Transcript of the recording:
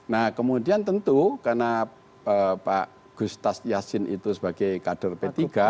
nah kemudian tentu karena pak gustas yassin itu sebagai kader p tiga